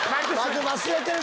忘れてる！